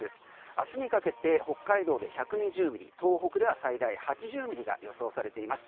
明日にかけて北海道で１２０ミリ東北では最大８０ミリが予想されています。